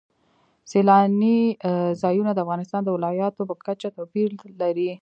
سیلانی ځایونه د افغانستان د ولایاتو په کچه توپیر لري.